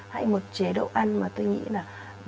hãy một chế độ ăn mà tôi nghĩ là